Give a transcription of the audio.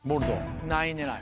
何位狙い？